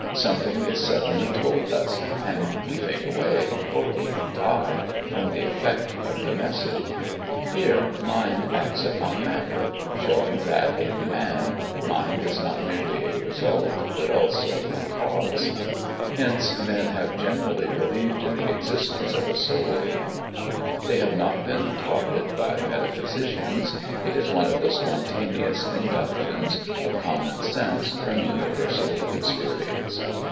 Something is suddenly told us, and we faint away, or even die, from the effect of the message. Here mind acts upon matter, showing that in man mind is not merely a result, but also a cause. Hence men have generally believed in the existence of a soul in man. They have not been taught it by metaphysicians, it is one of the spontaneous inductions of common sense from universal experience.